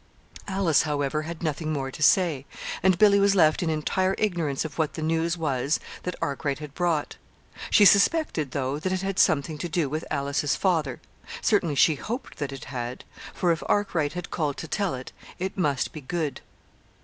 Alice, however, had nothing more to say; and Billy was left in entire ignorance of what the news was that Arkwright had brought. She suspected, though, that it had something to do with Alice's father certainly she hoped that it had; for if Arkwright had called to tell it, it must be good.